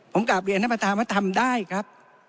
ผมกลับเรียนภาษาว่าทำได้ครับ